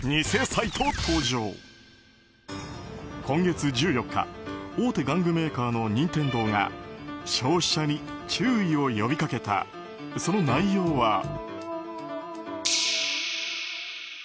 今月１４日大手玩具メーカーの任天堂が消費者に注意を呼びかけたその内容は。